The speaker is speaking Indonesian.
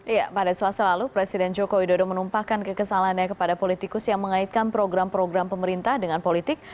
ya pada selasa lalu presiden jokowi sudah menumpahkan kekesalahannya kepada politikus yang mengaitkan program program pemerintah dengan politik